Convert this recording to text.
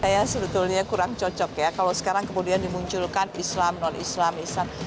saya sebetulnya kurang cocok ya kalau sekarang kemudian dimunculkan islam non islam islam